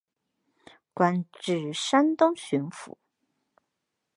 官至山东巡抚。